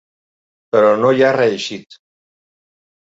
Però no hi ha reeixit.